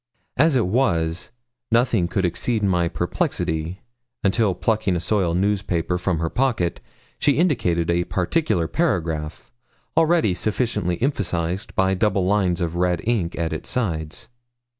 As it was, nothing could exceed my perplexity, until, plucking a soiled newspaper from her pocket, she indicated a particular paragraph, already sufficiently emphasised by double lines of red ink at its sides.